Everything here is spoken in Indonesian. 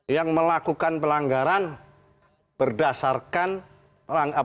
yang melakukan pelanggaran